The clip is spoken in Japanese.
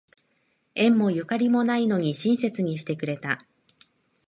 縁もゆかりもないのに親切にしてくれた